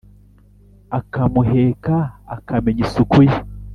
akamuheka, akamenya isuku ye